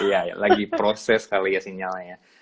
iya lagi proses kali ya sinyalnya